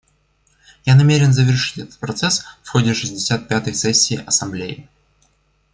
Я намерен завершить этот процесс в ходе шестьдесят пятой сессии Ассамблеи.